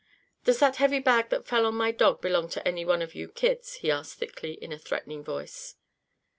"Does that heavy bag that fell on my dog belong to any one of you kids?" he asked thickly, in a threatening tone.